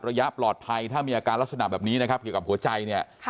ระยะปลอดภัยถ้ามีอาการลักษณะแบบนี้นะครับเกี่ยวกับหัวใจเนี่ย